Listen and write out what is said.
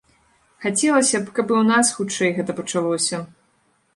Хацелася б, каб і у нас хутчэй гэта пачалося.